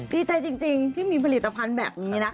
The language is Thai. ดีใจจริงที่มีผลิตภัณฑ์แบบนี้นะ